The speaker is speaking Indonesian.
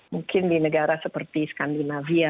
mungkin di negara seperti skandinavia